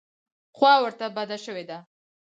خوا ورته بده شوې ده.